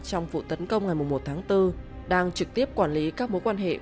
trong vụ tấn công ngày một tháng bốn đang trực tiếp quản lý các mối quan hệ